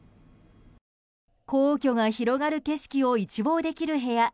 皇居が広がる景色を一望できる部屋。